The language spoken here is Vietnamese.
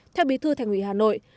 theo bí thư thành ủy hà nội